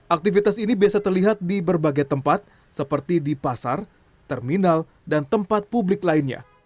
aktivitas ini biasa terlihat di berbagai tempat seperti di pasar terminal dan tempat publik lainnya